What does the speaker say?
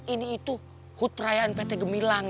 ini itu hut perayaan pt gemilang